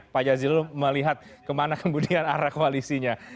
pak jazilul melihat kemana kemudian arah koalisinya